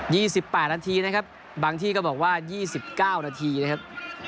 ี่สิบแปดนาทีนะครับบางที่ก็บอกว่ายี่สิบเก้านาทีนะครับ